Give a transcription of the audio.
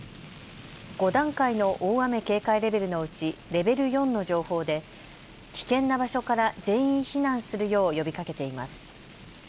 ５段階の大雨警戒レベルのうちレベル４の情報で危険な場所から全員避難するよう呼びかけています。